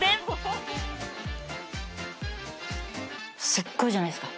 すっごいじゃないですか。